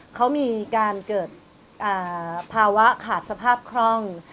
เขามีการเกิดภาวะขาดสภาพคล่อง